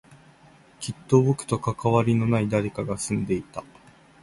きっと僕と関わりのない誰かが住んでいた